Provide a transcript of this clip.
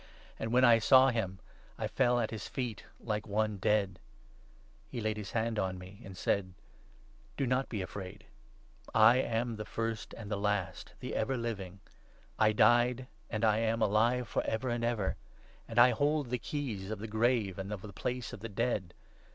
And, when I saw him, I fell at his feet like one 17 dead. He laid his hand on me and said —' Do not be afraid. I am the First and the Last, the Ever 18 living. I died, and I am alive for ever and ever. And I hold the keys of.the Grave and of the Place of the Dead.